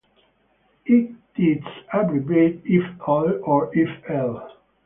It is abbreviated fL or fl.